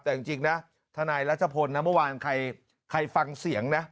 แต่จริงนะทนายรัชพลนะเมื่อวานใครฟังเสียงนะ